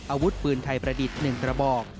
อาวุธปืนไทยประดิษฐ์๑กระบอก